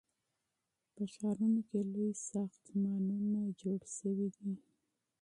په ښارونو کې لوی ساختمانونه جوړ شوي دي.